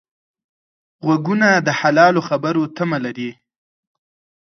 غوږونه د حلالو خبرو تمه لري